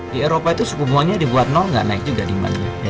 di eropa itu sepubungannya dibuat nol nggak naik juga demandnya